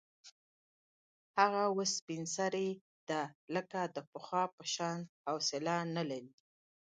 هغه اوس سپین سرې ده، لکه د پخوا په شان حوصله نه لري.